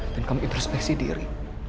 dan kamu introspeksi diri